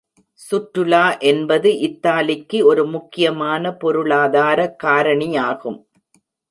சுற்றுலா என்பது இத்தாலிக்கு ஒரு முக்கியமான பொருளாதார காரணியாகும்.